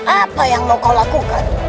apa yang mau kau lakukan